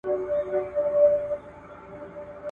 لوی وجود ته یې زمری پاچا حیران سو !.